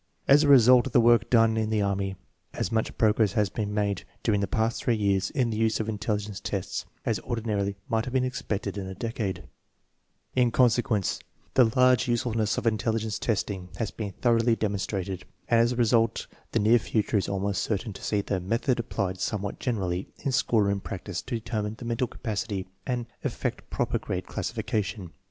As a result of the work done in the army, as much progress has been made during the past three years in the use of intelligence tests as ordinarily might have been expected in a decade. viii EDITOR'S INTRODUCTION In consequence, the large usefulness of intelligence testing has beten thoroughly demonstrated, and as a result the near future is almost certain to see the method applied somewhat generally in schoolroom practice to determine mental capacity and effect proper grade classification.